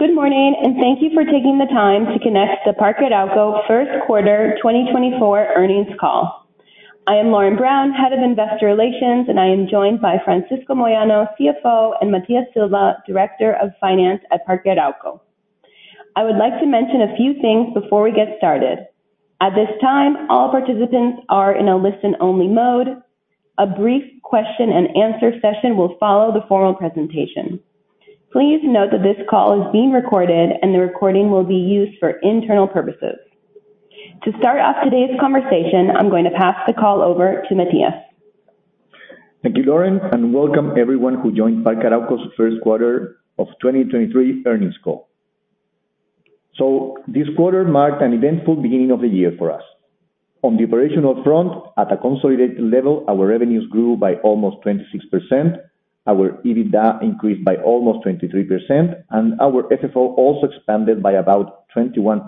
Good morning, and thank you for taking the time to connect to Parque Arauco first quarter 2024 earnings call. I am Lauren Brown, Head of Investor Relations, and I am joined by Francisco Moyano, CFO, and Matías Silva, Director of Finance at Parque Arauco. I would like to mention a few things before we get started. At this time, all participants are in a listen-only mode. A brief question-and-answer session will follow the formal presentation. Please note that this call is being recorded and the recording will be used for internal purposes. To start off today's conversation, I'm going to pass the call over to Matias. Thank you, Lauren, and welcome everyone who joined Parque Arauco's first quarter of 2023 earnings call. This quarter marked an eventful beginning of the year for us. On the operational front, at a consolidated level, our revenues grew by almost 26%. Our EBITDA increased by almost 23%, and our FFO also expanded by about 21%.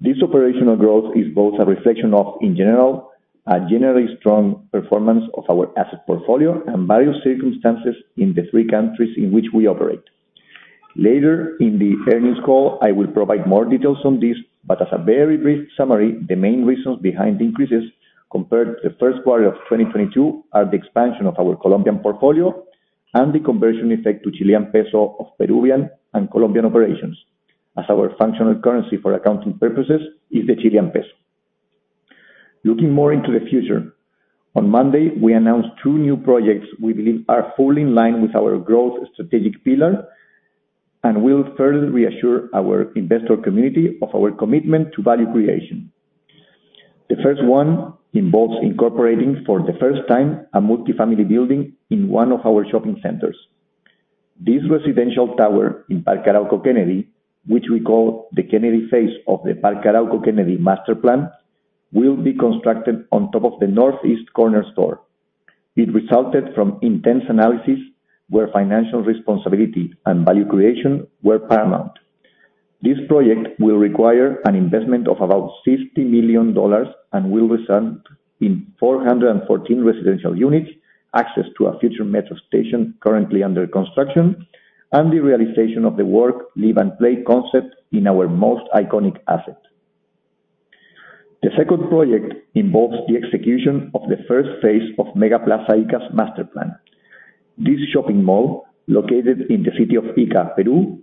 This operational growth is both a reflection of, in general, a generally strong performance of our asset portfolio and various circumstances in the three countries in which we operate. Later in the earnings call, I will provide more details on this, but as a very brief summary, the main reasons behind increases compared to the first quarter of 2022 are the expansion of our Colombian portfolio and the conversion effect to Chilean peso of Peruvian and Colombian operations, as our functional currency for accounting purposes is the Chilean peso. Looking more into the future, on Monday, we announced two new projects we believe are fully in line with our growth strategic pillar and will further reassure our investor community of our commitment to value creation. The first one involves incorporating, for the first time, a multi-family building in one of our shopping centers. This residential tower in Parque Arauco Kennedy, which we call the Kennedy phase of the Parque Arauco Kennedy master plan, will be constructed on top of the northeast corner store. It resulted from intense analysis where financial responsibility and value creation were paramount. This project will require an investment of about $50 million and will result in 414 residential units, access to a future metro station currently under construction, and the realization of the work, live, and play concept in our most iconic asset. The second project involves the execution of the first phase of MegaPlaza Ica's master plan. This shopping mall, located in the city of Ica, Peru,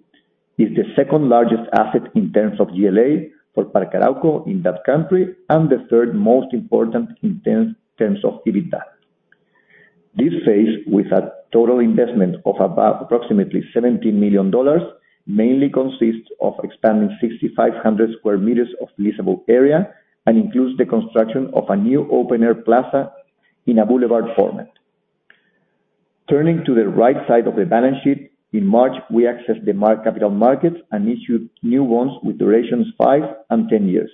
is the second-largest asset in terms of GLA for Parque Arauco in that country and the third most important in terms of EBITDA. This phase, with a total investment of about approximately $17 million, mainly consists of expanding 6,500 sq m of leasable area and includes the construction of a new open-air plaza in a boulevard format. Turning to the right side of the balance sheet, in March, we accessed the capital markets and issued new bonds with durations five and 10 years,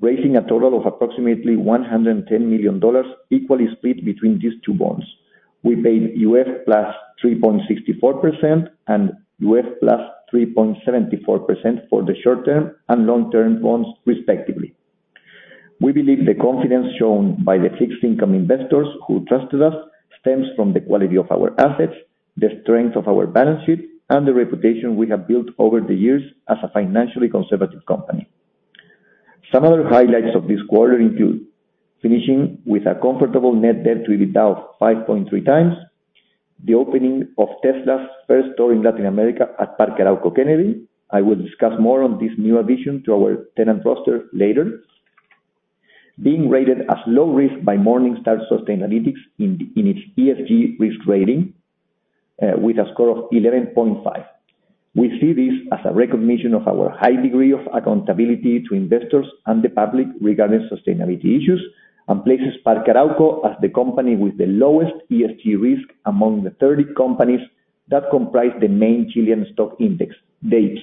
raising a total of approximately $110 million equally split between these two bonds. We paid U.S. +3.64% and U.S. +3.74% for the short-term and long-term bonds, respectively. We believe the confidence shown by the fixed income investors who trusted us stems from the quality of our assets, the strength of our balance sheet, and the reputation we have built over the years as a financially conservative company. Some other highlights of this quarter include finishing with a comfortable net debt to EBITDA of 5.3x, the opening of Tesla's first store in Latin America at Parque Arauco Kennedy. I will discuss more on this new addition to our tenant roster later. Being rated as low risk by Morningstar Sustainalytics in its ESG risk rating with a score of 11.5. We see this as a recognition of our high degree of accountability to investors and the public regarding sustainability issues and places Parque Arauco as the company with the lowest ESG risk among the 30 companies that comprise the main Chilean stock index, IPSA.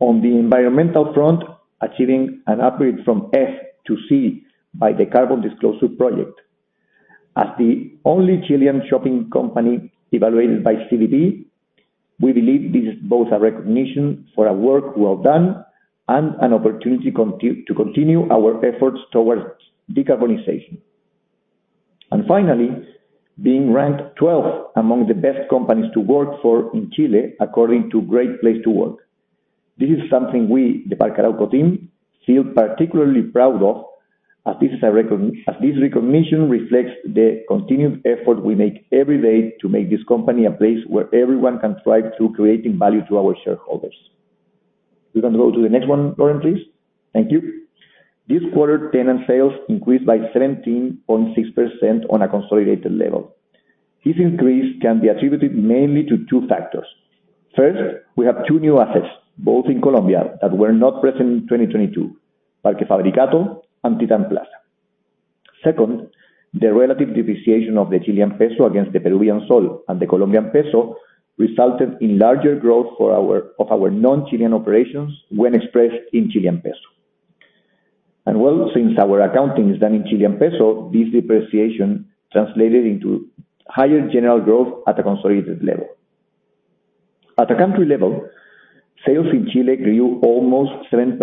On the environmental front, achieving an upgrade from F to C by the Carbon Disclosure Project. As the only Chilean shopping company evaluated by CDP, we believe this is both a recognition for a work well done and an opportunity to continue our efforts towards decarbonization. Finally, being ranked twelfth among the best companies to work for in Chile, according to Great Place to Work. This is something we, the Parque Arauco team, feel particularly proud of as this recognition reflects the continued effort we make every day to make this company a place where everyone can thrive through creating value to our shareholders. We can go to the next one, Lauren, please. Thank you. This quarter, tenant sales increased by 17.6% on a consolidated level. This increase can be attributed mainly to two factors. First, we have two new assets, both in Colombia, that were not present in 2022, Parque Fabricato and Titán Plaza. Second, the relative depreciation of the Chilean peso against the Peruvian sol and the Colombian peso resulted in larger growth of our non-Chilean operations when expressed in Chilean peso. Well, since our accounting is done in Chilean peso, this depreciation translated into higher general growth at a consolidated level. At a country level, sales in Chile grew almost 7%,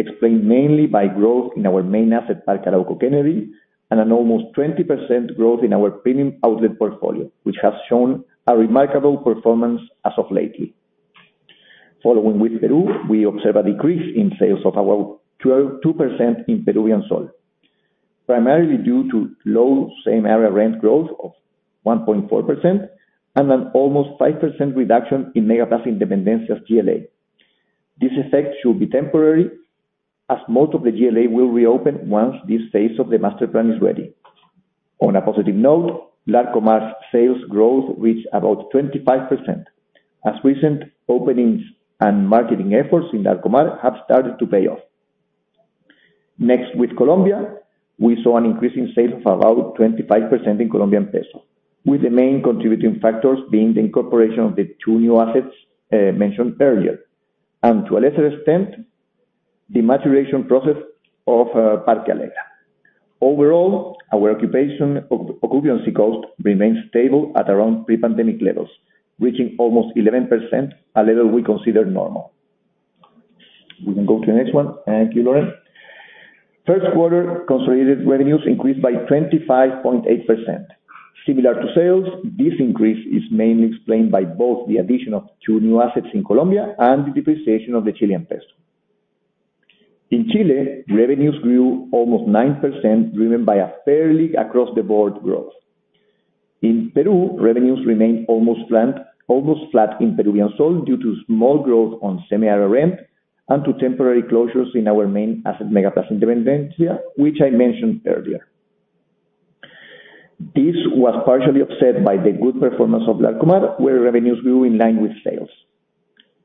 explained mainly by growth in our main asset Parque Arauco Kennedy, and an almost 20% growth in our premium outlet portfolio, which has shown a remarkable performance as of late. Following with Peru, we observe a decrease in sales of about two percent in Peruvian sol. Primarily due to low same-store rent growth of 1.4% and an almost 5% reduction in MegaPlaza Independencia's GLA. This effect should be temporary as most of the GLA will reopen once this phase of the master plan is ready. On a positive note, Larcomar's sales growth reached about 25%. As recent openings and marketing efforts in Larcomar have started to pay off. Next, with Colombia, we saw an increase in sales of about 25% in Colombian peso, with the main contributing factors being the incorporation of the two new assets mentioned earlier, and to a lesser extent, the maturation process of Parque Alegra. Overall, our occupancy cost remains stable at around pre-pandemic levels, reaching almost 11%, a level we consider normal. We can go to the next one. Thank you, Lauren. First quarter consolidated revenues increased by 25.8%. Similar to sales, this increase is mainly explained by both the addition of two new assets in Colombia and the depreciation of the Chilean peso. In Chile, revenues grew almost 9%, driven by a fairly across-the-board growth. In Peru, revenues remained almost flat in Peruvian sol due to small growth on same-store rent and to temporary closures in our main asset, MegaPlaza Independencia, which I mentioned earlier. This was partially offset by the good performance of Larcomar, where revenues grew in line with sales.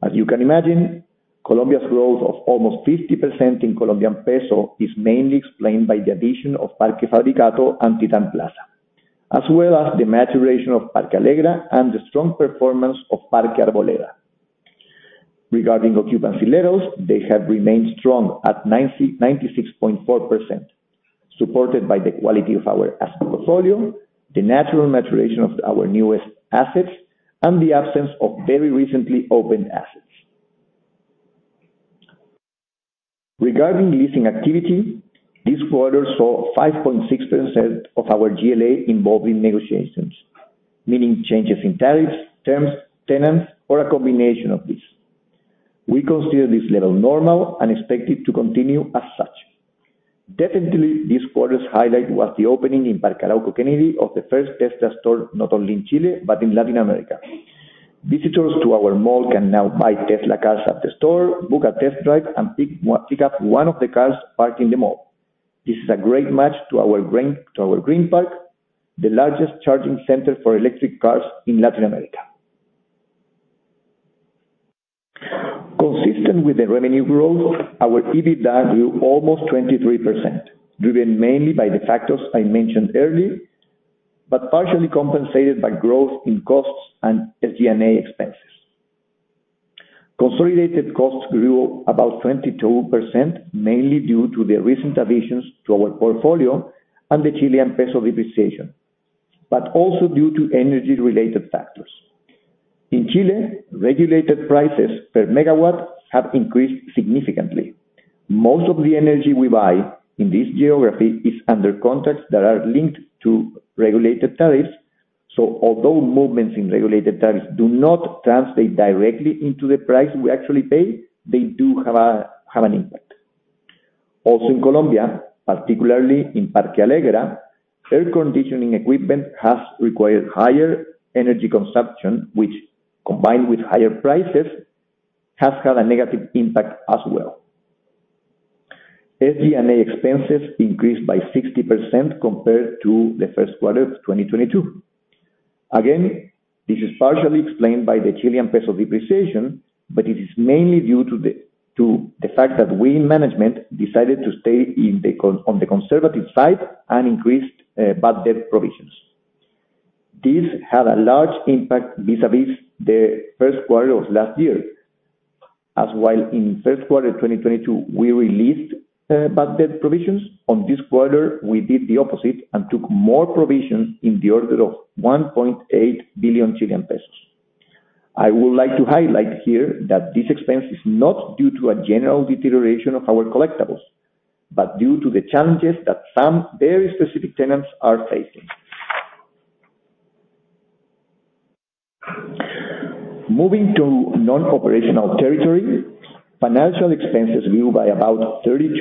As you can imagine, Colombia's growth of almost 50% in Colombian peso is mainly explained by the addition of Parque Fabricato and Titán Plaza, as well as the maturation of Parque Alegra and the strong performance of Parque Arboleda. Regarding occupancy levels, they have remained strong at 96.4%, supported by the quality of our asset portfolio, the natural maturation of our newest assets, and the absence of very recently opened assets. Regarding leasing activity, this quarter saw 5.6% of our GLA involved in negotiations, meaning changes in tariffs, terms, tenants, or a combination of these. We consider this level normal and expect it to continue as such. Definitely, this quarter's highlight was the opening in Parque Arauco Kennedy of the first Tesla store, not only in Chile but in Latin America. Visitors to our mall can now buy Tesla cars at the store, book a test drive, and pick up one of the cars parked in the mall. This is a great match to our green park, the largest charging center for electric cars in Latin America. Consistent with the revenue growth, our EBITDA grew almost 23%, driven mainly by the factors I mentioned earlier, but partially compensated by growth in costs and SG&A expenses. Consolidated costs grew about 22%, mainly due to the recent additions to our portfolio and the Chilean peso depreciation, but also due to energy-related factors. In Chile, regulated prices per megawatt have increased significantly. Most of the energy we buy in this geography is under contracts that are linked to regulated tariffs. Although movements in regulated tariffs do not translate directly into the price we actually pay, they do have an impact. Also in Colombia, particularly in Parque Alegra, air conditioning equipment has required higher energy consumption, which, combined with higher prices, has had a negative impact as well. SG&A expenses increased by 60% compared to the first quarter of 2022. Again, this is partially explained by the Chilean peso depreciation, but it is mainly due to the fact that we in management decided to stay on the conservative side and increased bad debt provisions. This had a large impact vis-a-vis the first quarter of last year, as while in first quarter 2022, we released bad debt provisions. On this quarter, we did the opposite and took more provisions in the order of 1.8 billion Chilean pesos. I would like to highlight here that this expense is not due to a general deterioration of our collectibles, but due to the challenges that some very specific tenants are facing. Moving to non-operational territory, financial expenses grew by about 32%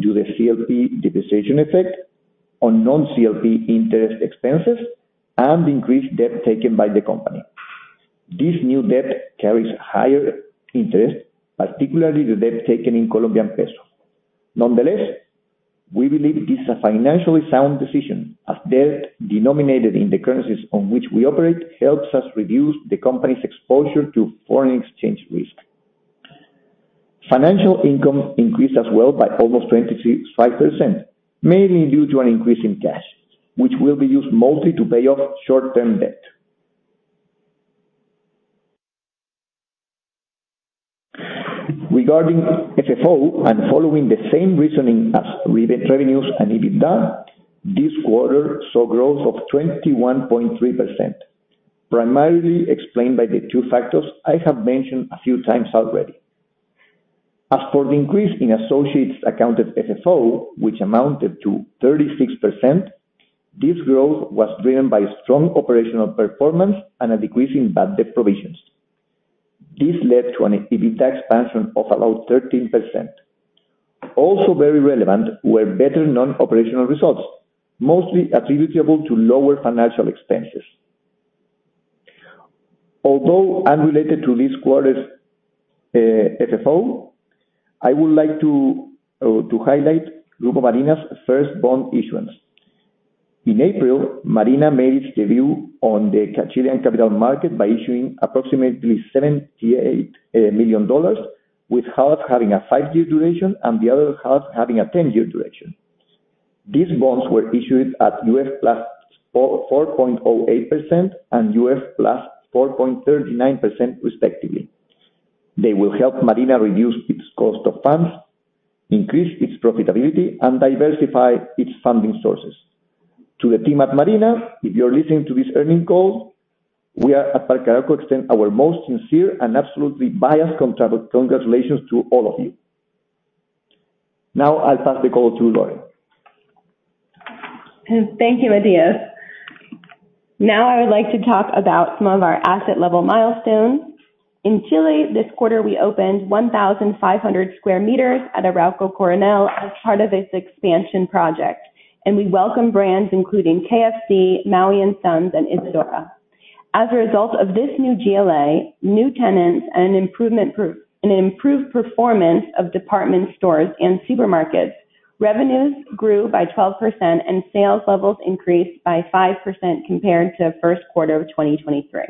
due to the CLP depreciation effect on non-CLP interest expenses and increased debt taken by the company. This new debt carries higher interest, particularly the debt taken in Colombian peso. Nonetheless, we believe this a financially sound decision as debt denominated in the currencies on which we operate helps us reduce the company's exposure to foreign exchange risk. Financial income increased as well by almost 5%, mainly due to an increase in cash, which will be used mostly to pay off short-term debt. Regarding FFO and following the same reasoning as rebate revenues and EBITDA, this quarter saw growth of 21.3%, primarily explained by the two factors I have mentioned a few times already. As for the increase in associates accounted FFO, which amounted to 36%, this growth was driven by strong operational performance and a decrease in bad debt provisions. This led to an EBITDA expansion of about 13%. Also very relevant were better non-operational results, mostly attributable to lower financial expenses. Although unrelated to this quarter's FFO, I would like to highlight Grupo Marina's first bond issuance. In April, Marina made its debut on the Chilean capital market by issuing approximately $78 million, with half having a 5-year duration and the other half having a 10-year duration. These bonds were issued at UF +4.08% and UF +4.39% respectively. They will help Marina reduce its cost of funds, increase its profitability, and diversify its funding sources. To the team at Marina, if you're listening to this earnings call, we at Parque Arauco extend our most sincere and absolutely biased contra-congratulations to all of you. Now I'll pass the call to Lauren. Thank you, Matías. Now I would like to talk about some of our asset level milestones. In Chile, this quarter we opened 1,500 sq m at Arauco Coronel as part of its expansion project, and we welcome brands including KFC, Maui and Sons, and Isadora. As a result of this new GLA, new tenants and an improved performance of department stores and supermarkets, revenues grew by 12% and sales levels increased by 5% compared to first quarter of 2023.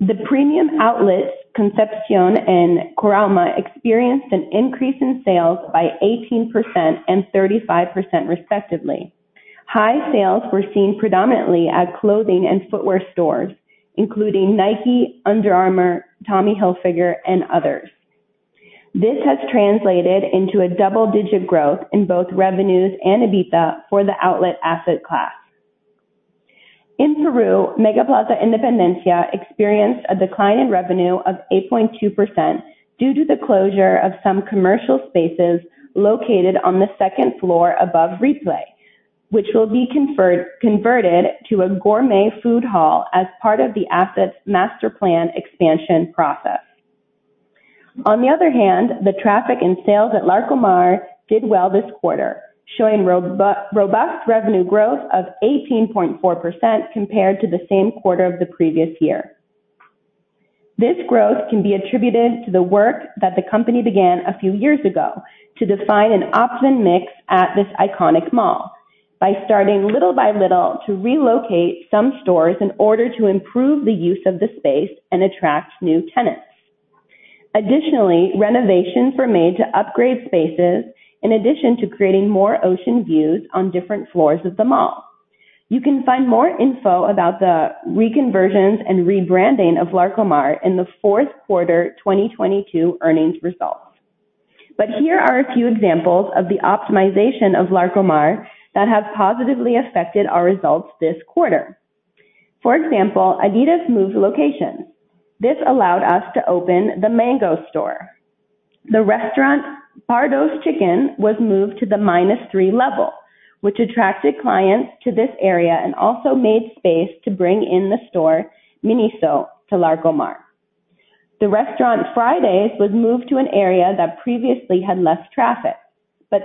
The premium outlets Concepción and Curauma experienced an increase in sales by 18% and 35% respectively. High sales were seen predominantly at clothing and footwear stores, including Nike, Under Armour, Tommy Hilfiger and others. This has translated into a double-digit growth in both revenues and EBITDA for the outlet asset class. In Peru, Megaplaza Independencia experienced a decline in revenue of 8.2% due to the closure of some commercial spaces located on the second floor above Ripley, which will be converted to a gourmet food hall as part of the asset's master plan expansion process. On the other hand, the traffic and sales at Larcomar did well this quarter, showing robust revenue growth of 18.4% compared to the same quarter of the previous year. This growth can be attributed to the work that the company began a few years ago to define an optimum mix at this iconic mall by starting little by little to relocate some stores in order to improve the use of the space and attract new tenants. Additionally, renovations were made to upgrade spaces in addition to creating more ocean views on different floors of the mall. You can find more info about the reconversions and rebranding of Larcomar in the fourth quarter 2022 earnings results. Here are a few examples of the optimization of Larcomar that have positively affected our results this quarter. For example, Adidas moved locations. This allowed us to open the Mango store. The restaurant Pardo's Chicken was moved to the minus three level, which attracted clients to this area and also made space to bring in the store Miniso to Larcomar. The restaurant TGI Fridays was moved to an area that previously had less traffic.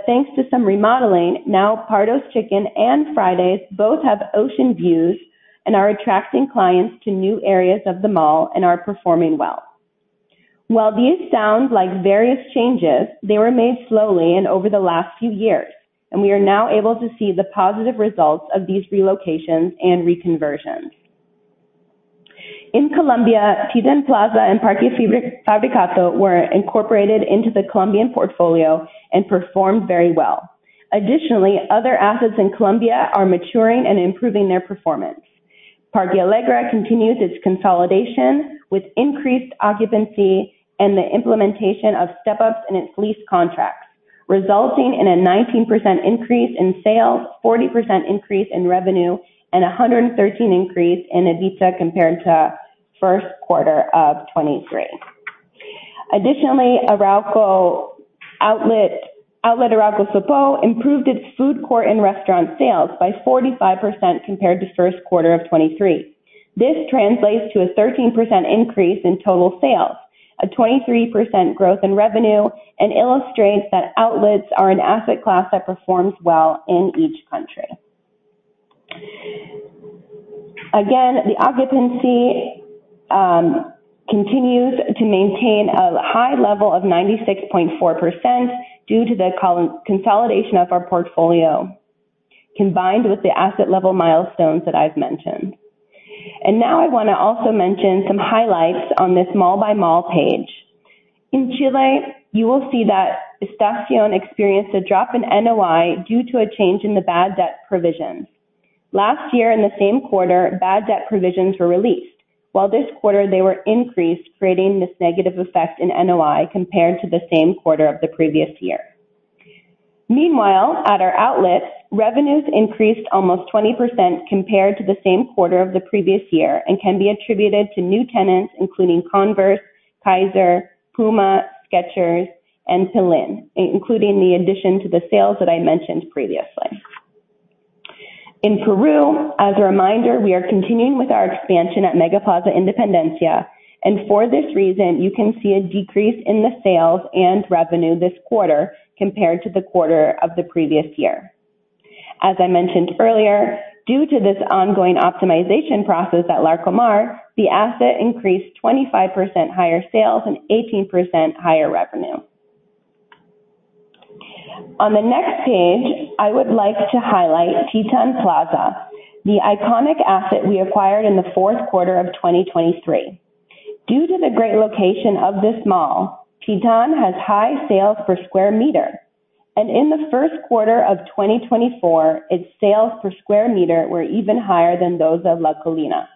Thanks to some remodeling, now Pardo's Chicken and TGI Fridays both have ocean views and are attracting clients to new areas of the mall and are performing well. While these sound like various changes, they were made slowly and over the last few years, and we are now able to see the positive results of these relocations and reconversions. In Colombia, Titán Plaza and Parque Fabricato were incorporated into the Colombian portfolio and performed very well. Additionally, other assets in Colombia are maturing and improving their performance. Parque Alegra continues its consolidation with increased occupancy and the implementation of step-ups in its lease contracts, resulting in a 19% increase in sales, 40% increase in revenue, and a 113% increase in EBITDA compared to first quarter of 2023. Additionally, Arauco Outlet Arauco Sopó improved its food court and restaurant sales by 45% compared to first quarter of 2023. This translates to a 13% increase in total sales, a 23% growth in revenue, and illustrates that outlets are an asset class that performs well in each country. Again, the occupancy continues to maintain a high level of 96.4% due to the consolidation of our portfolio, combined with the asset level milestones that I've mentioned. Now I wanna also mention some highlights on this mall by mall page. In Chile, you will see that Estación experienced a drop in NOI due to a change in the bad debt provisions. Last year in the same quarter, bad debt provisions were released while this quarter they were increased, creating this negative effect in NOI compared to the same quarter of the previous year. Meanwhile, at our outlets, revenues increased almost 20% compared to the same quarter of the previous year and can be attributed to new tenants including Converse, Kayser, Puma, Skechers, and Pillín, including the addition to the sales that I mentioned previously. In Peru, as a reminder, we are continuing with our expansion at Mega Plaza Independencia, and for this reason, you can see a decrease in the sales and revenue this quarter compared to the quarter of the previous year. As I mentioned earlier, due to this ongoing optimization process at Larcomar, the asset increased 25% higher sales and 18% higher revenue. On the next page, I would like to highlight Titán Plaza, the iconic asset we acquired in the fourth quarter of 2023. Due to the great location of this mall, Titán Plaza has high sales per sq m, and in the first quarter of 2024, its sales per sq m were even higher than those of La Colina.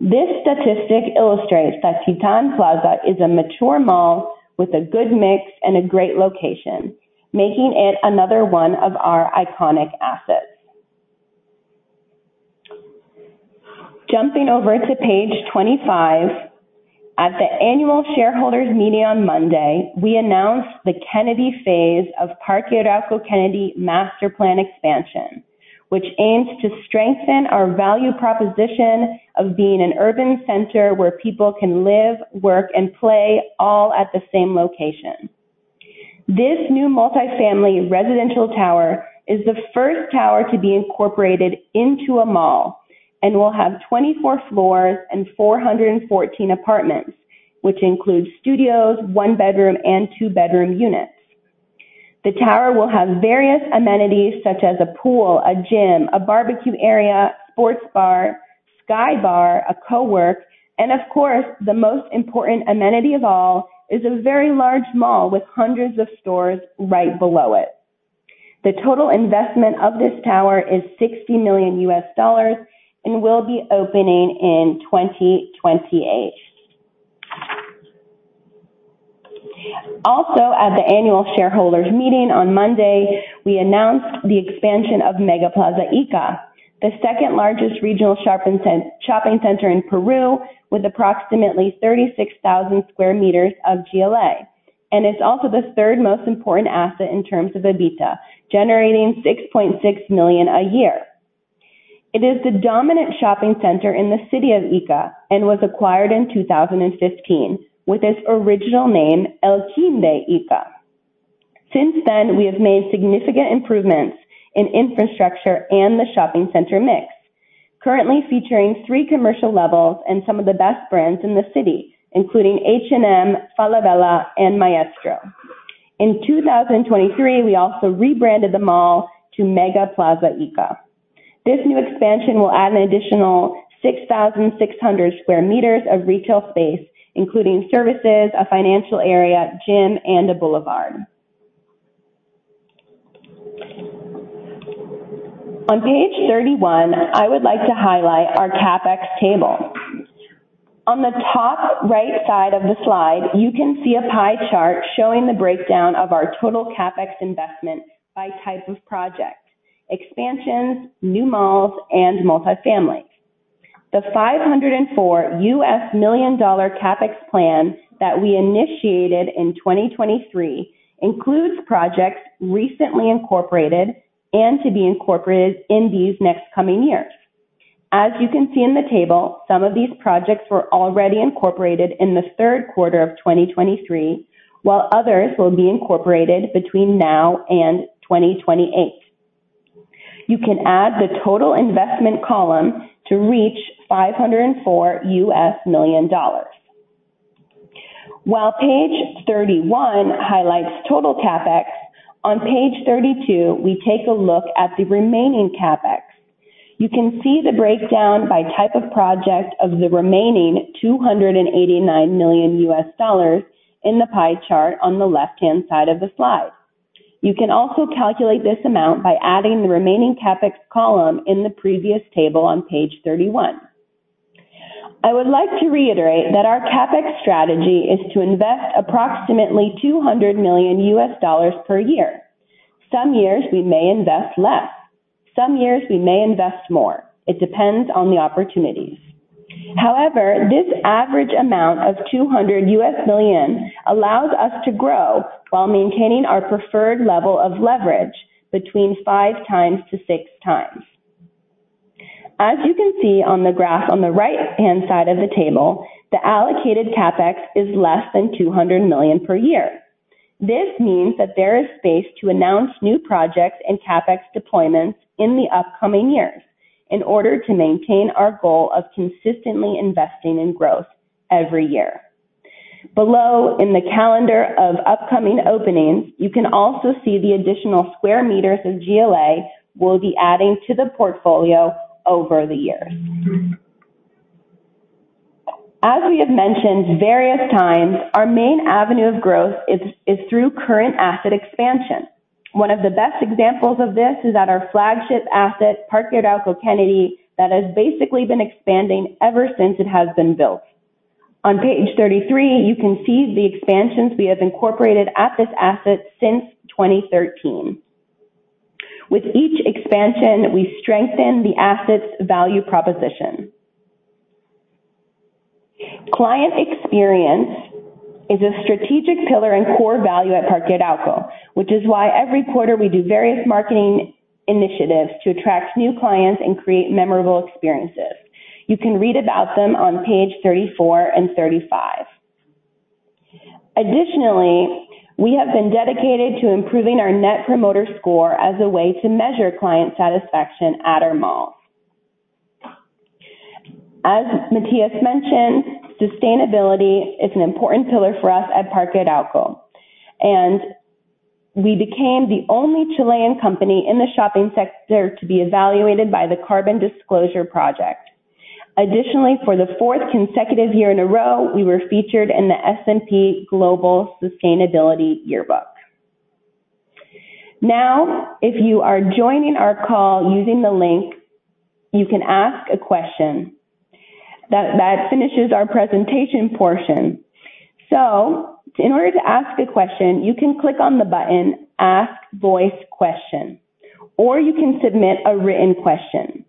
This statistic illustrates that Titán Plaza is a mature mall with a good mix and a great location, making it another one of our iconic assets. Jumping over to page 25. At the annual shareholders meeting on Monday, we announced the Kennedy phase of Parque Arauco Kennedy Master Plan expansion, which aims to strengthen our value proposition of being an urban center where people can live, work, and play all at the same location. This new multi-family residential tower is the first tower to be incorporated into a mall and will have 24 floors and 414 apartments, which includes studios, one bedroom, and two-bedroom units. The tower will have various amenities such as a pool, a gym, a barbecue area, sports bar, sky bar, a cowork, and of course, the most important amenity of all is a very large mall with hundreds of stores right below it. The total investment of this tower is $60 million and will be opening in 2028. Also, at the annual shareholders meeting on Monday, we announced the expansion of MegaPlaza Ica, the second-largest regional shopping center in Peru with approximately 36,000 sq m of GLA. It's also the third most important asset in terms of EBITDA, generating 6.6 million a year. It is the dominant shopping center in the city of Ica and was acquired in 2015 with its original name, El Quinde Ica. Since then, we have made significant improvements in infrastructure and the shopping center mix, currently featuring three commercial levels and some of the best brands in the city, including H&M, Falabella, and Maestro. In 2023, we also rebranded the mall to MegaPlaza Ica. This new expansion will add an additional 6,600 sq m of retail space, including services, a financial area, gym, and a boulevard. On page 31, I would like to highlight our CapEx table. On the top right side of the slide, you can see a pie chart showing the breakdown of our total CapEx investment by type of project, expansions, new malls, and multi-family. The $504 million CapEx plan that we initiated in 2023 includes projects recently incorporated and to be incorporated in these next coming years. As you can see in the table, some of these projects were already incorporated in the third quarter of 2023, while others will be incorporated between now and 2028. You can add the total investment column to reach $504 million. While page 31 highlights total CapEx, on page 32, we take a look at the remaining CapEx. You can see the breakdown by type of project of the remaining $289 million in the pie chart on the left-hand side of the slide. You can also calculate this amount by adding the remaining CapEx column in the previous table on page 31. I would like to reiterate that our CapEx strategy is to invest approximately $200 million per year. Some years we may invest less. Some years we may invest more. It depends on the opportunities. However, this average amount of $200 million allows us to grow while maintaining our preferred level of leverage between 5x and 6x. As you can see on the graph on the right-hand side of the table, the allocated CapEx is less than $200 million per year. This means that there is space to announce new projects and CapEx deployments in the upcoming years in order to maintain our goal of consistently investing in growth every year. Below, in the calendar of upcoming openings, you can also see the additional square meters of GLA we'll be adding to the portfolio over the years. As we have mentioned various times, our main avenue of growth is through current asset expansion. One of the best examples of this is at our flagship asset, Parque Arauco Kennedy, that has basically been expanding ever since it has been built. On page 33, you can see the expansions we have incorporated at this asset since 2013. With each expansion, we strengthen the asset's value proposition. Client experience is a strategic pillar and core value at Parque Arauco, which is why every quarter we do various marketing initiatives to attract new clients and create memorable experiences. You can read about them on page 34 and 35. Additionally, we have been dedicated to improving our Net Promoter Score as a way to measure client satisfaction at our malls. As Matias mentioned, sustainability is an important pillar for us at Parque Arauco, and we became the only Chilean company in the shopping sector to be evaluated by the Carbon Disclosure Project. Additionally, for the 4th consecutive year in a row, we were featured in the S&P Global Sustainability Yearbook. Now, if you are joining our call using the link, you can ask a question. That finishes our presentation portion. In order to ask a question, you can click on the button, Ask voice question, or you can submit a written question.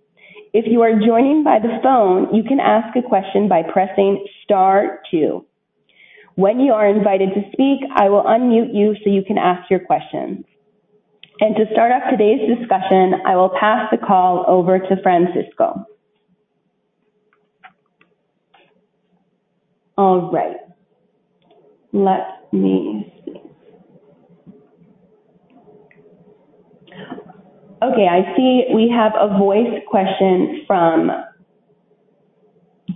If you are joining by the phone, you can ask a question by pressing star two. When you are invited to speak, I will unmute you so you can ask your questions. To start off today's discussion, I will pass the call over to Francisco. All right. Let me see. Okay, I see we have a voice question from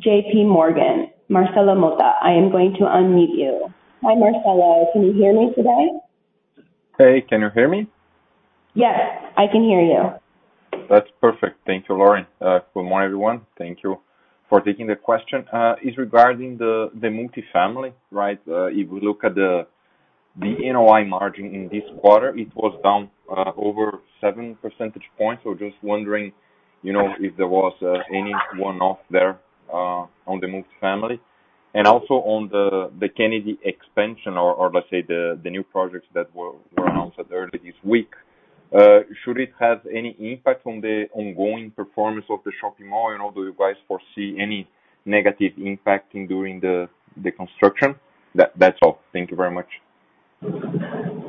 JPMorgan. Marcelo Motta, I am going to unmute you. Hi, Marcelo. Can you hear me today? Hey, can you hear me? Yes, I can hear you. That's perfect. Thank you, Lauren. Good morning, everyone. Thank you for taking the question. It's regarding the multifamily, right? If we look at the NOI margin in this quarter, it was down over 7 percentage points. Just wondering, you know, if there was any one-off there on the multifamily. Also on the Kennedy expansion or let's say the new projects that were announced earlier this week, should it have any impact on the ongoing performance of the shopping mall and all? Do you guys foresee any negative impact in doing the construction? That's all. Thank you very much.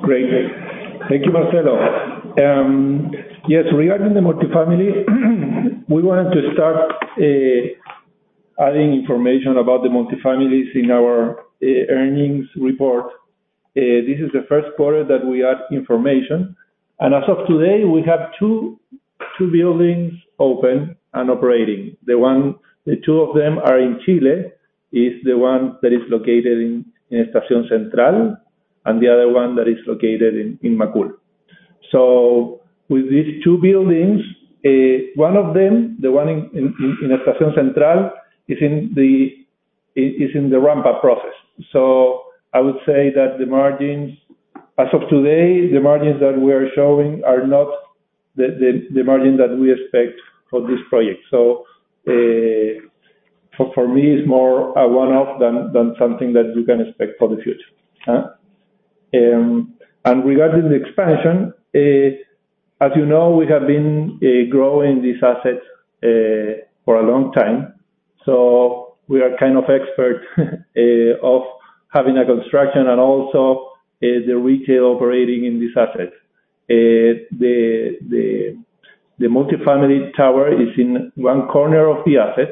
Great. Thank you, Marcelo. Yes, regarding the multifamily, we wanted to start adding information about the multifamilies in our earnings report. This is the first quarter that we add information. As of today, we have two buildings open and operating. The two of them are in Chile, the one that is located in Estación Central and the other one that is located in Macul. With these two buildings, one of them, the one in Estación Central is in the ramp-up process. I would say that the margins as of today, the margins that we are showing are not the margin that we expect for this project. For me, it's more a one-off than something that you can expect for the future. Regarding the expansion, as you know, we have been growing these assets for a long time, so we are kind of expert of having a construction and also the retail operating in this asset. The multifamily tower is in one corner of the asset.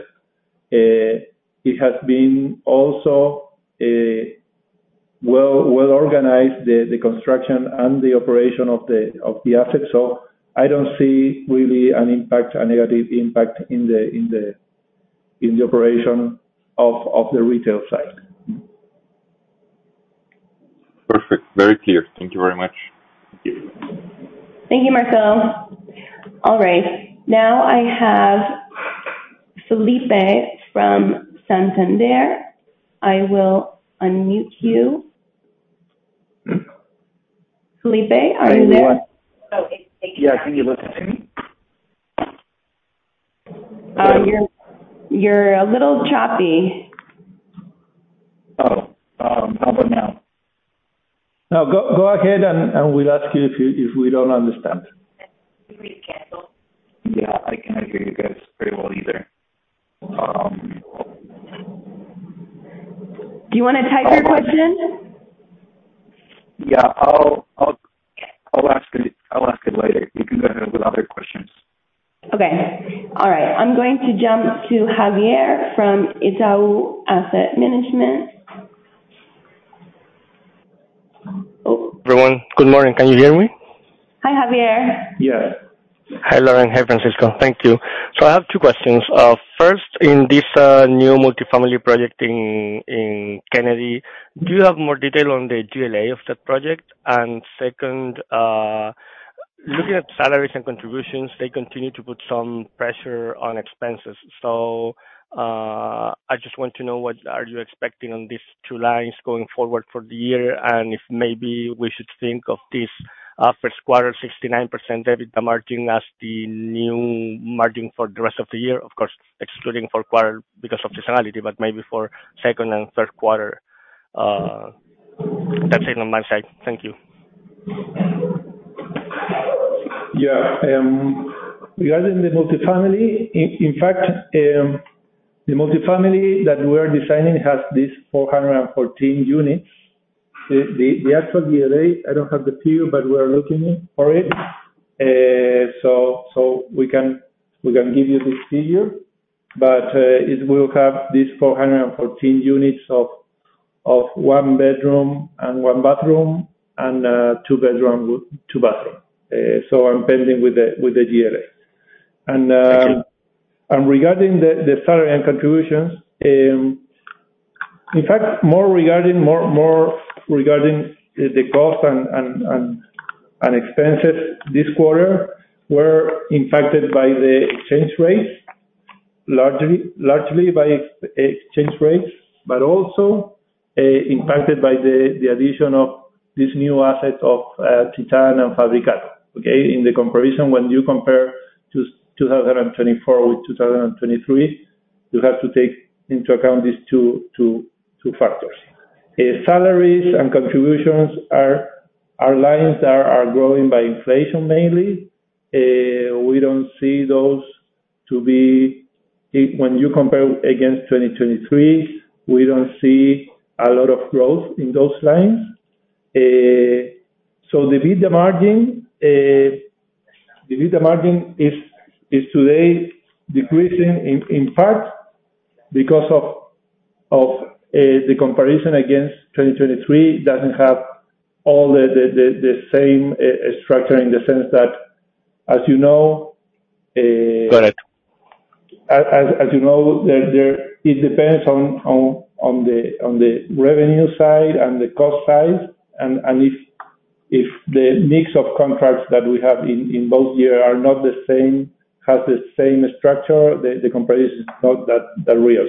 It has been also well-organized, the construction and the operation of the asset. I don't see really an impact, a negative impact in the operation of the retail side. Perfect. Very clear. Thank you very much. Thank you. Thank you, Marcelo. All right. Now I have Felipe from Santander. I will unmute you. Felipe, are you there? Yeah. Can you listen to me? You're a little choppy. Oh. How about now? No. Go ahead and we'll ask you if we don't understand. Yeah. I cannot hear you guys pretty well either. Do you wanna type your question? Yeah. I'll ask it later. You can go ahead with other questions. Okay. All right. I'm going to jump to Javier from Itaú Asset Management. Everyone, good morning. Can you hear me? Hi, Javier. Yes. Hi, Lauren. Hi, Francisco. Thank you. I have two questions. First, in this new multifamily project in Kennedy, do you have more detail on the GLA of that project? Second, looking at salaries and contributions, they continue to put some pressure on expenses. I just want to know what are you expecting on these two lines going forward for the year, and if maybe we should think of this first quarter 69% EBITDA margin as the new margin for the rest of the year, of course, excluding fourth quarter because of seasonality, but maybe for second and third quarter, that's it on my side. Thank you. Yeah. Regarding the multifamily, in fact, the multifamily that we are designing has these 414 units. The actual GLA, I don't have the figure, but we are looking for it. So we can give you this figure, but it will have these 414 units of one bedroom and one bathroom and two bedroom with two bathroom. I'm pending with the GLA. Thank you. Regarding the salary and contributions, in fact, more regarding the cost and expenses this quarter were impacted by the exchange rates, largely by exchange rates, but also impacted by the addition of these new assets, Titán and Fabricato. Okay? In the comparison, when you compare 2024 with 2023, you have to take into account these two factors. Salaries and contributions are our lines growing by inflation mainly. When you compare against 2023, we don't see a lot of growth in those lines. The EBITDA margin is today decreasing in part because of the comparison against 2023 doesn't have all the same structure in the sense that as you know. Got it. As you know, it depends on the revenue side and the cost side, and if the mix of contracts that we have in both years are not the same, has the same structure, the comparison is not that real.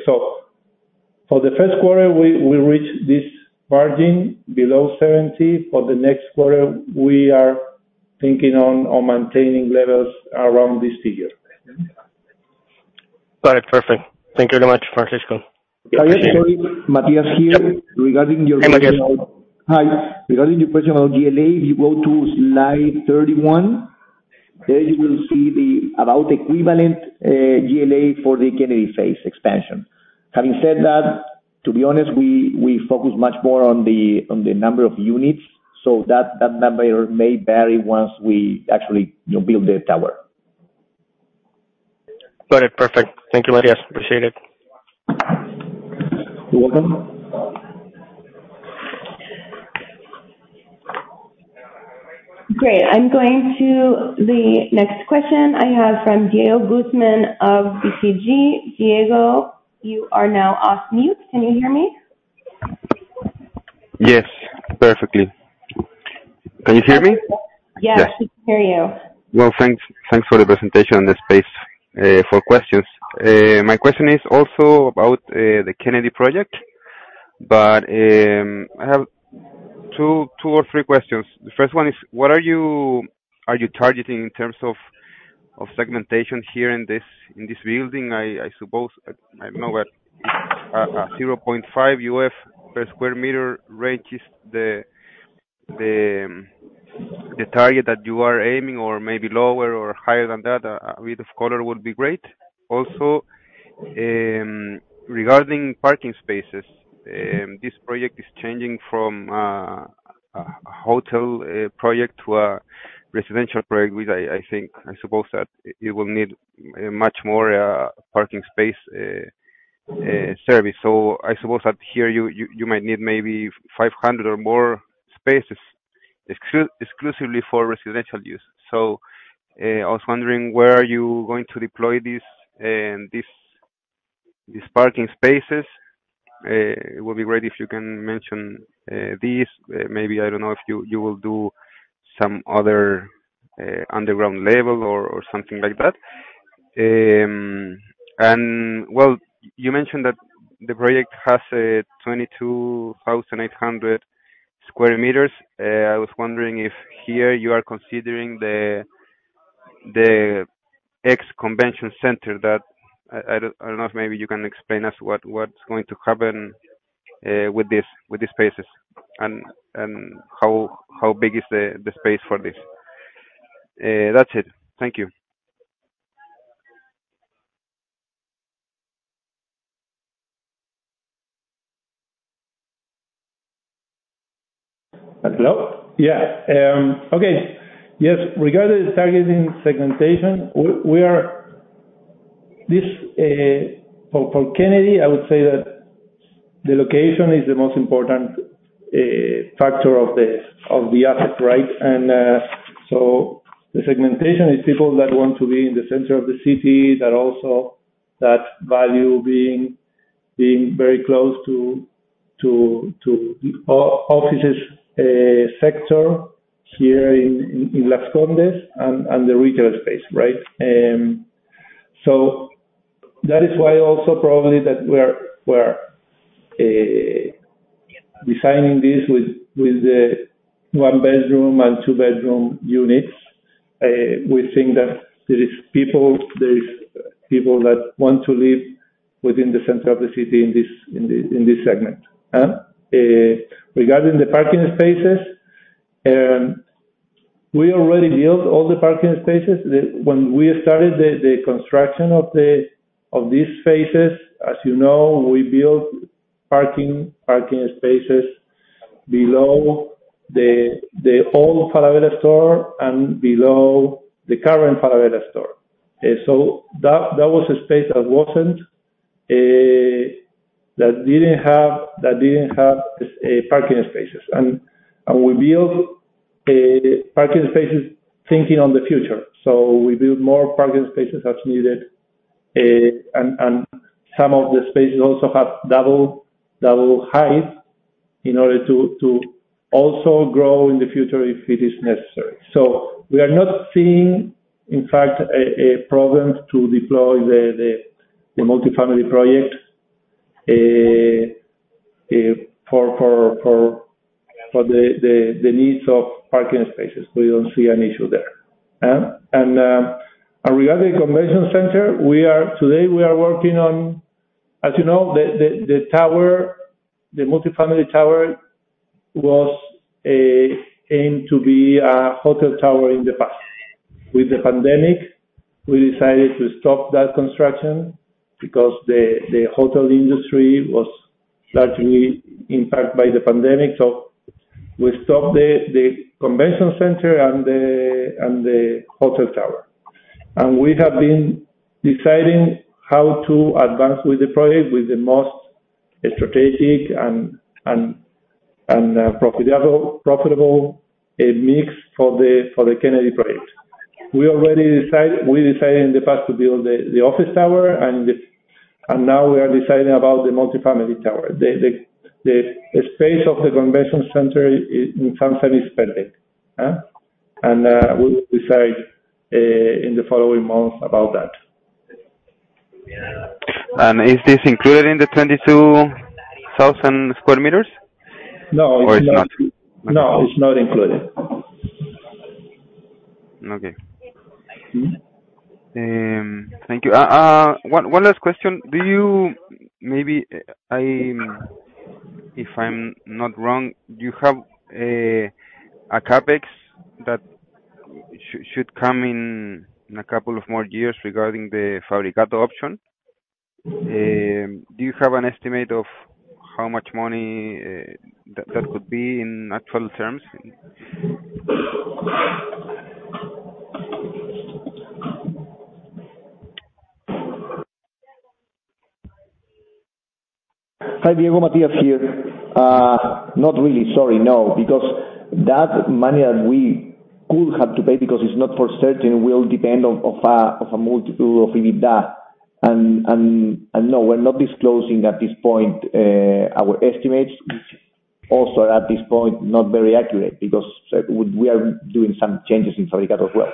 For the first quarter, we reached this margin below 70%. For the next quarter, we are thinking on maintaining levels around this figure. Got it. Perfect. Thank you very much, Francisco. Yeah. Appreciate it. Sorry, Matias here. Yep. Regarding your question about. Hey, Matias. Hi. Regarding your question about GLA, if you go to slide 31, there you will see the approximate equivalent GLA for the Kennedy phase expansion. Having said that, to be honest, we focus much more on the number of units, so that number may vary once we actually, you know, build the tower. Got it. Perfect. Thank you, Matias. Appreciate it. You're welcome. Great. I'm going to the next question I have from Diego Guzmán of BCI. Diego, you are now off mute. Can you hear me? Yes, perfectly. Can you hear me? Yeah, we can hear you. Well, thanks for the presentation and the space for questions. My question is also about the Kennedy project, but I have two or three questions. The first one is, what are you targeting in terms of segmentation here in this building? I suppose I know that a 0.5 UF per sq m range is the target that you are aiming or maybe lower or higher than that. A bit of color would be great. Also, regarding parking spaces, this project is changing from a hotel project to a residential project, which I think I suppose that you will need a much more parking space service. I suppose that here you might need maybe 500 or more spaces exclusively for residential use. I was wondering where are you going to deploy these parking spaces? It would be great if you can mention these. Maybe I don't know if you will do some other underground level or something like that. You mentioned that the project has a 22,800 sq m. I was wondering if here you are considering the ex convention center that I don't know if maybe you can explain us what is going to happen with these spaces and how big is the space for this? That's it. Thank you. Hello? Yeah. Okay. Yes. Regarding the targeting segmentation, for Kennedy, I would say that the location is the most important factor of the asset, right? The segmentation is people that want to be in the center of the city that also value being very close to offices sector here in Las Condes and the retail space, right? That is why also probably we're designing this with the one bedroom and two bedroom units. We think that there is people that want to live within the center of the city in this segment. Regarding the parking spaces, we already built all the parking spaces. When we started the construction of these phases, as you know, we built parking spaces below the old Falabella store and below the current Falabella store. That was a space that didn't have parking spaces. We built parking spaces thinking of the future. We built more parking spaces as needed, and some of the spaces also have double height in order to also grow in the future if it is necessary. We are not seeing, in fact, a problem to deploy the multifamily project for the needs of parking spaces. We don't see an issue there. Regarding convention center, today we are working on. As you know, the tower, the multifamily tower was aimed to be a hotel tower in the past. With the pandemic, we decided to stop that construction because the hotel industry was largely impacted by the pandemic. We stopped the convention center and the hotel tower. We have been deciding how to advance with the project with the most strategic and profitable mix for the Kennedy project. We decided in the past to build the office tower, and now we are deciding about the multifamily tower. The space of the convention center in some sense is pending. We'll decide in the following months about that. Is this included in the 22,000 sq m? No. It's not? No, it's not included. Okay. Thank you. One last question. If I'm not wrong, you have a CapEx that should come in a couple of more years regarding the Fabricato option. Do you have an estimate of how much money that could be in actual terms? Hi. Diego, Matías here. Not really. Sorry, no. That money that we could have to pay, because it's not for certain, will depend on a multiple of EBITDA. No, we're not disclosing at this point our estimates, which also at this point not very accurate because we are doing some changes in Fabricato as well.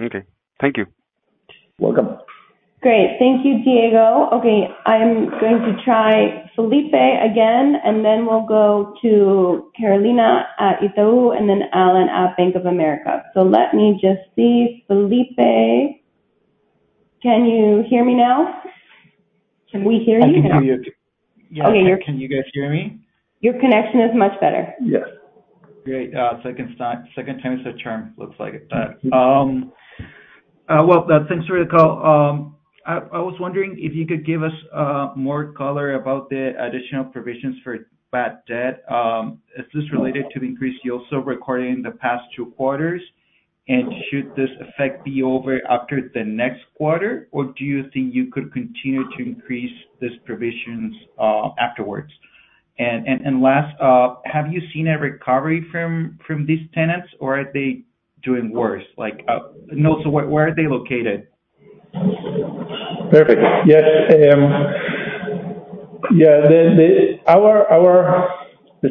Okay. Thank you. Welcome. Great. Thank you, Diego Guzmán. Okay, I'm going to try Felipe again, and then we'll go to Carolina at Itaú, and then Alan at Bank of America. Let me just see. Felipe, can you hear me now? Can we hear you now? I can hear you. Okay. Can you guys hear me? Your connection is much better. Yes. Great. Second time's the charm, looks like it. Well, thanks for the call. I was wondering if you could give us more color about the additional provisions for bad debt. Is this related to the increase you also recorded in the past two quarters? Should this effect be over after the next quarter, or do you think you could continue to increase these provisions afterwards? Last, have you seen a recovery from these tenants, or are they doing worse? Like, also where are they located? Perfect. Yes. Our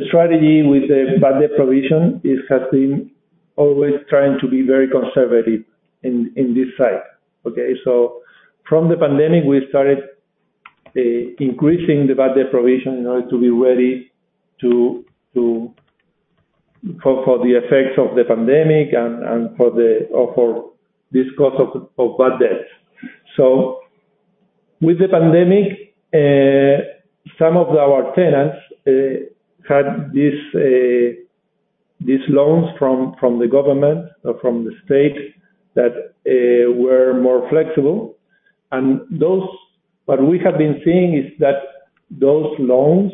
strategy with the bad debt provision has been always trying to be very conservative in this side. Okay? From the pandemic, we started increasing the bad debt provision in order to be ready to cover the effects of the pandemic and for this cost of bad debts. With the pandemic, some of our tenants had these loans from the government or from the state that were more flexible. What we have been seeing is that those loans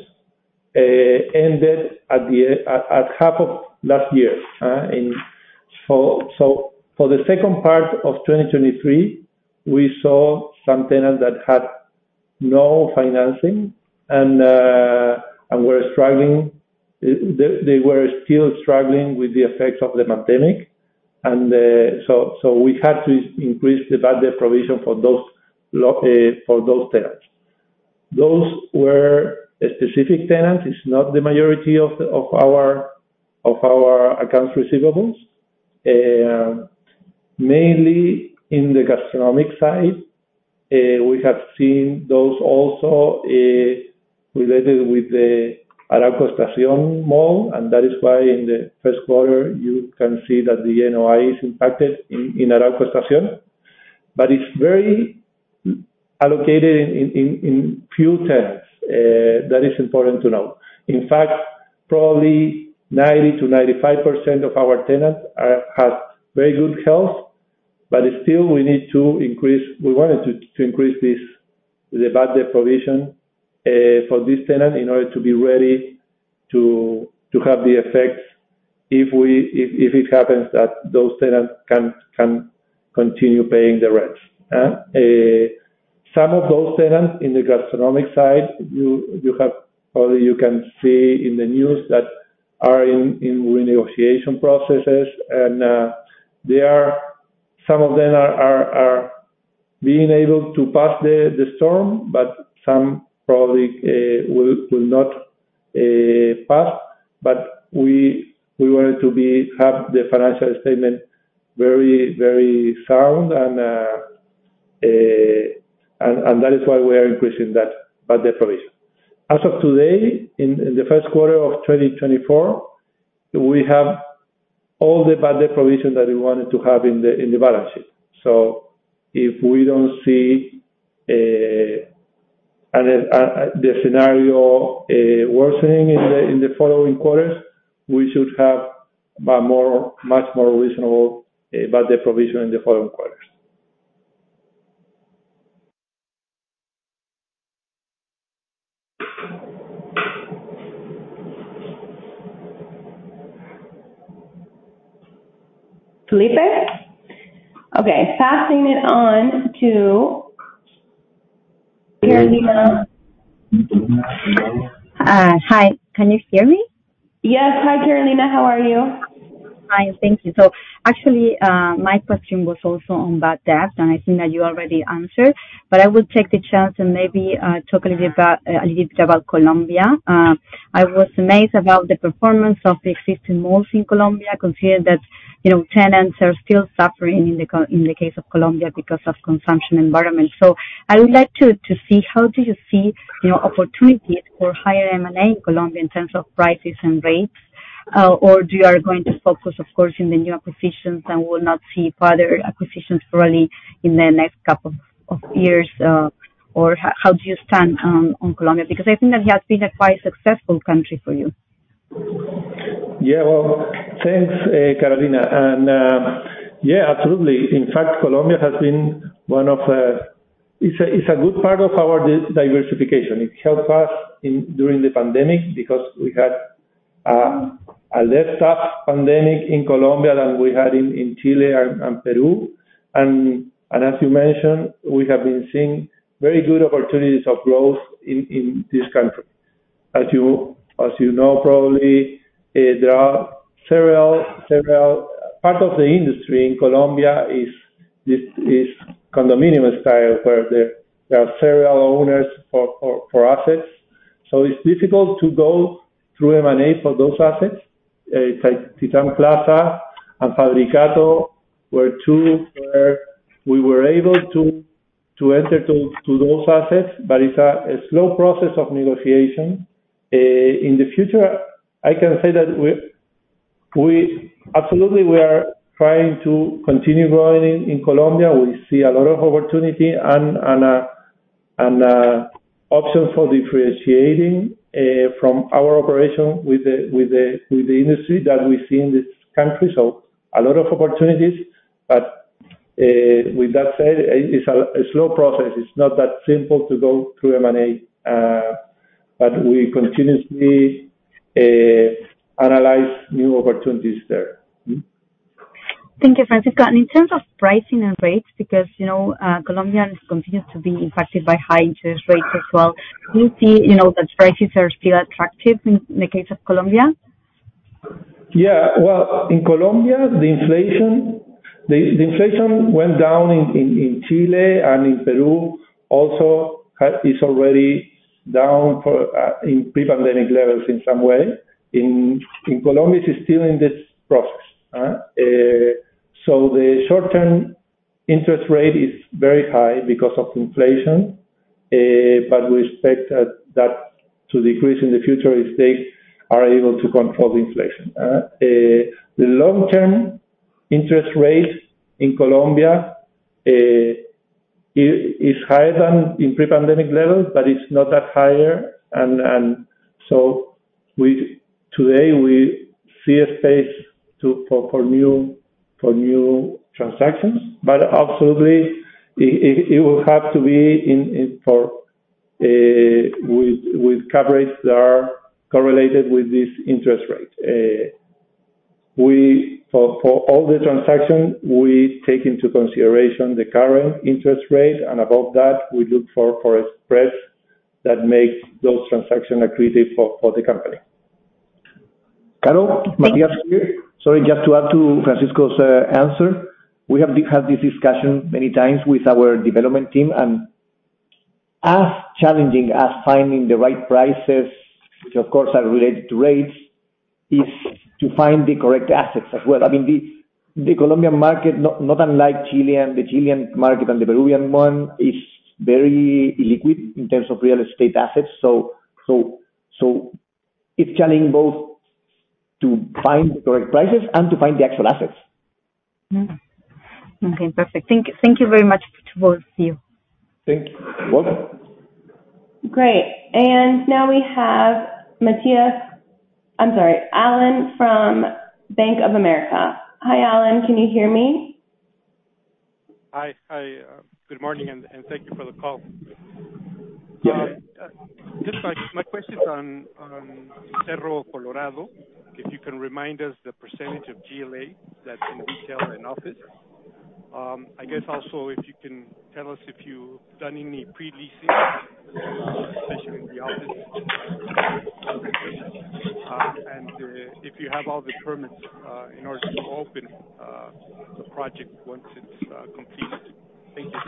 ended at half of last year in. For the second part of 2023, we saw some tenants that had no financing, and we're struggling. They were still struggling with the effects of the pandemic, so we had to increase the bad debt provision for those tenants. Those were specific tenants. It's not the majority of our accounts receivables. Mainly in the gastronomic side, we have seen those also related with the Arauco Estación mall, and that is why in the first quarter you can see that the NOI is impacted in Arauco Estación. But it's very allocated in few tenants. That is important to know. In fact, probably 90%-95% of our tenants have very good health, but still we wanted to increase this, the bad debt provision, for this tenant in order to be ready to have the effects if it happens that those tenants can't continue paying the rents. Some of those tenants in the gastronomic side, you probably can see in the news that are in renegotiation processes and some of them are being able to pass the storm, but some probably will not pass. We wanted to have the financial statement very, very sound and that is why we are increasing that bad debt provision. As of today, in the first quarter of 2024, we have all the bad debt provision that we wanted to have in the balance sheet. If we don't see the scenario worsening in the following quarters, we should have a much more reasonable bad debt provision in the following quarters. Felipe? Okay, passing it on to Carolina. Hi. Can you hear me? Yes. Hi, Carolina. How are you? Fine. Thank you. Actually, my question was also on bad debt, and I think that you already answered, but I will take the chance and maybe talk a little bit about Colombia. I was amazed about the performance of the existing malls in Colombia, considering that, you know, tenants are still suffering in the case of Colombia because of consumption environment. I would like to see how do you see, you know, opportunities for higher M&A in Colombia in terms of prices and rates? Or you are going to focus of course in the new acquisitions and will not see further acquisitions probably in the next couple of years, or how do you stand on Colombia? Because I think that has been a quite successful country for you. Yeah. Well, thanks, Carolina. Yeah, absolutely. In fact, Colombia has been one of the. It's a good part of our diversification. It helped us during the pandemic because we had a less tough pandemic in Colombia than we had in Chile and Peru. As you mentioned, we have been seeing very good opportunities of growth in this country. As you know probably, there are several. Part of the industry in Colombia is this condominium style where there are several owners for assets. So it's difficult to go through M&A for those assets. Like Titán Plaza and Fabricato were two where we were able to enter those assets, but it's a slow process of negotiation. In the future, I can say that we absolutely are trying to continue growing in Colombia. We see a lot of opportunity and options for differentiating from our operation with the industry that we see in this country. A lot of opportunities. With that said, it's a slow process. It's not that simple to go through M&A, but we continuously analyze new opportunities there. Thank you, Francisco. In terms of pricing and rates, because, you know, Colombia continues to be impacted by high interest rates as well. Do you see, you know, that prices are still attractive in the case of Colombia? Yeah. Well, in Colombia, the inflation went down in Chile and in Peru also. It is already down to pre-pandemic levels in some way. In Colombia, it's still in this process. The short-term interest rate is very high because of inflation, but we expect that to decrease in the future if they are able to control the inflation. The long-term interest rates in Colombia is higher than in pre-pandemic levels, but it's not that higher. Today we see a space for new transactions. Absolutely, it will have to be with coverages that are correlated with this interest rate. For all the transactions, we take into consideration the current interest rate, and above that, we look for a spread that makes those transactions accretive for the company. Caro, Matias here. Sorry, just to add to Francisco's answer. We have had this discussion many times with our development team and as challenging as finding the right prices, which of course are related to rates, is to find the correct assets as well. I mean, the Colombian market, not unlike Chile and the Chilean market and the Peruvian one, is very illiquid in terms of real estate assets. It's challenging both to find the correct prices and to find the actual assets. Okay. Perfect. Thank you very much to both of you. Thank you. Welcome. Great. We have Alan from Bank of America. Hi, Alan. Can you hear me? Hi. Hi. Good morning, and thank you for the call. Yeah. Just my question's on Cerro Colorado. If you can remind us the percentage of GLA that's in retail and office. I guess also if you can tell us if you've done any pre-leasing, especially in the office. If you have all the permits in order to open the project once it's completed. Thank you.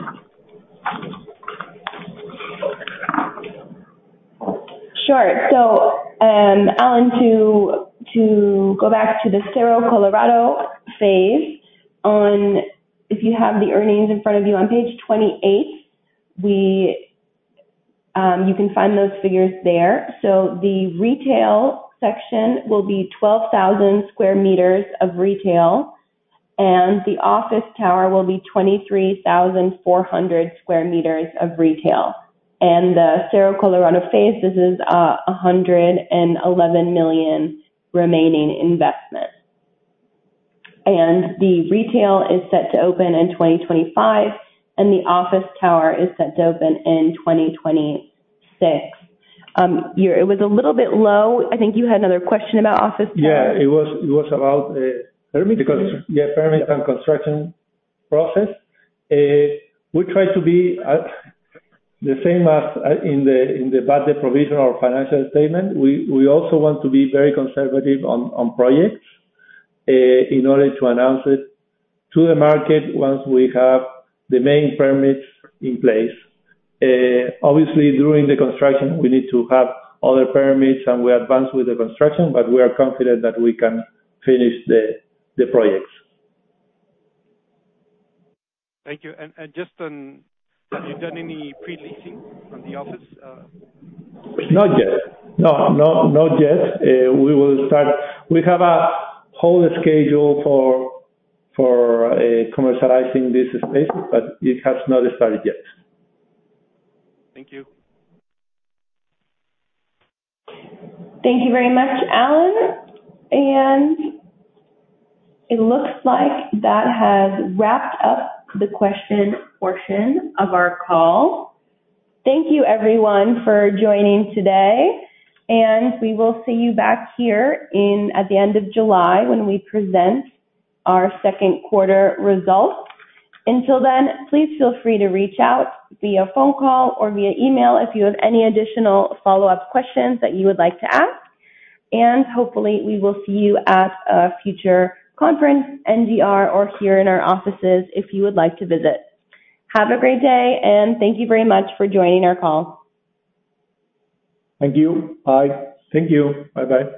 Sure. Alan, to go back to the Cerro Colorado phase, if you have the earnings in front of you on page 28, you can find those figures there. The retail section will be 12,000 sq m of retail, and the office tower will be 23,400 sq m of retail. The Cerro Colorado phase, this is 111 million remaining investment. The retail is set to open in 2025, and the office tower is set to open in 2026. It was a little bit low. I think you had another question about office towers. Yeah, it was about. Permits. Yeah, permits and construction process. We try to be at the same as in the budget provision or financial statement. We also want to be very conservative on projects in order to announce it to the market once we have the main permits in place. Obviously during the construction, we need to have other permits and we advance with the construction, but we are confident that we can finish the projects. Thank you. Just on, have you done any pre-leasing on the office space? Not yet. No, not yet. We will start. We have a whole schedule for commercializing this space, but it has not started yet. Thank you. Thank you very much, Alan. It looks like that has wrapped up the question portion of our call. Thank you, everyone, for joining today, and we will see you back here in at the end of July when we present our second quarter results. Until then, please feel free to reach out via phone call or via email if you have any additional follow-up questions that you would like to ask. Hopefully, we will see you at a future conference, NDR, or here in our offices if you would like to visit. Have a great day, and thank you very much for joining our call. Thank you. Bye. Thank you. Bye-bye.